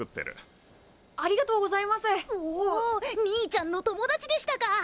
兄ちゃんの友達でしたか。